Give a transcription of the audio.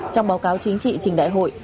trong báo cáo chính trị trình đại hội